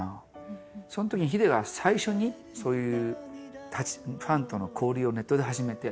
その時にＨＩＤＥが最初にそういうファンとの交流をネットで始めて。